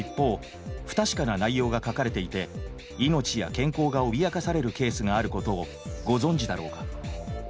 不確かな内容が書かれていて命や健康が脅かされるケースがあることをご存じだろうか。